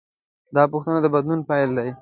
دا پوښتنه د بدلون پیل دی.